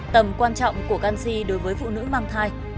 tầm quan trọng của canxi đối với phụ nữ mang thai